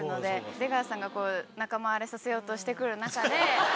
出川さんが仲間割れさせようとしてくる中で。